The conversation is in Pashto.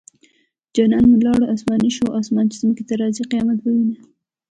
جانان مې لاړو اسماني شو اسمان چې ځمکې ته راځي قيامت به وينه